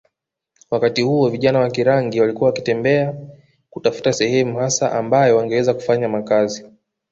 wakati huo vijana wa Kirangi walikuwa wakitembea kutafuta sehemu hasa ambayo wangeweza kufanya makazi